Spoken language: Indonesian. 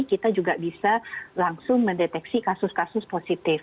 kita juga bisa langsung mendeteksi kasus kasus positif